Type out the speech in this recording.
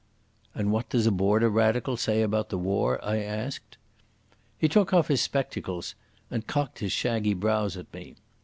"And what does a Border radical say about the war?" I asked. He took off his spectacles and cocked his shaggy brows at me.